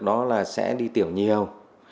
đó là sẽ đi tiểu nhiều